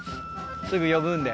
すぐ呼ぶんで。